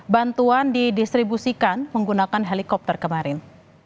bantuan didistribusikan menggunakan helikopter kemarin